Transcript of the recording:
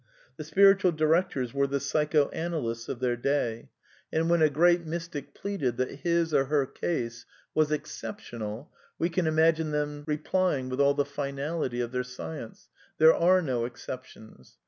The spiritual directors ^^ were the psychoanalysts of their day; and when a great THE NEW MYSTICISM 257 mystic pleaded that his or her case was exceptional we can imagine them replying with all the finality of their science : There are no exceptions.